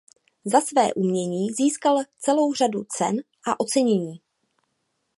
Za své umění získal celou řadu cen a ocenění.